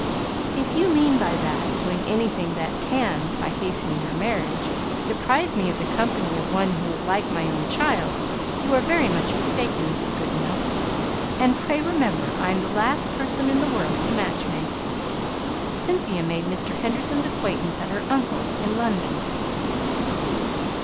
"If you mean by that, doing anything that can, by hastening her marriage, deprive me of the company of one who is like my own child, you are very much mistaken, Mrs. Goodenough. And pray remember, I am the last person in the world to match make. Cynthia made Mr. Henderson's acquaintance at her uncle's in London."